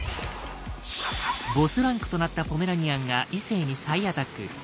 「ボス」ランクとなったポメラニアンが異性に再アタック。